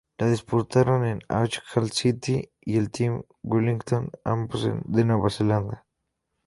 La disputaron el Auckland City y el Team Wellington, ambos de Nueva Zelanda.